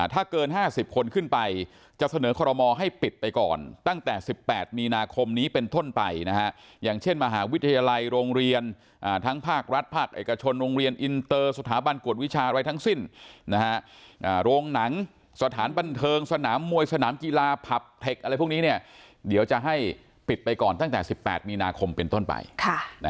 ถ้าเกิน๕๐คนขึ้นไปจะเสนอคอรมอให้ปิดไปก่อนตั้งแต่๑๘มีนาคมนี้เป็นต้นไปนะฮะอย่างเช่นมหาวิทยาลัยโรงเรียนทั้งภาครัฐภาคเอกชนโรงเรียนอินเตอร์สถาบันกวดวิชาอะไรทั้งสิ้นโรงหนังสถานบันเทิงสนามมวยสนามกีฬาผับเทคอะไรพวกนี้เนี่ยเดี๋ยวจะให้ปิดไปก่อนตั้งแต่๑๘มีนาคมเป็นต้นไป